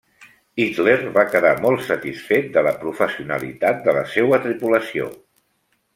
Hitler va quedar molt satisfet de la professionalitat de la seua tripulació.